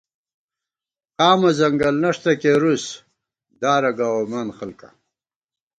قامہ ځنگل نَݭ تہ کېرُس دارَہ گاوَمان خَلکا